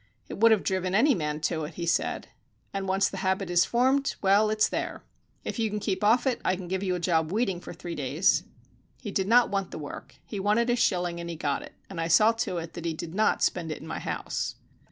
"It would have driven any man to it," he said. "And once the habit is formed well, it's there." "If you keep off it I can give you a job weeding for three days." He did not want the work. He wanted a shilling, and he got it; and I saw to it that he did not spend it in my house.